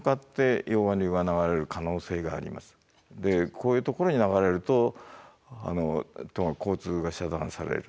こういうところに流れると交通が遮断される。